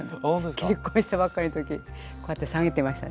結婚したばっかりの時こうやって下げてましたね。